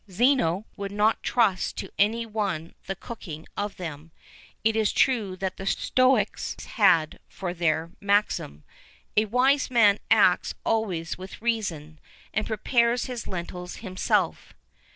Zeno would not trust to any one the cooking of them; it is true that the stoics had for their maxim: "A wise man acts always with reason, and prepares his lentils himself."